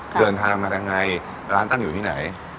เดินทางมายังไงร้านตั้งอยู่ที่ไหน